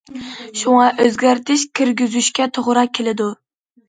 شۇڭا، ئۆزگەرتىش كىرگۈزۈشكە توغرا كېلىدۇ.